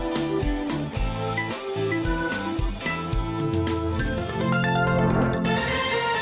โปรดติดตามตอนต่อไป